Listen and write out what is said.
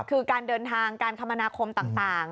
คือการเดินทางการคมนาคมต่าง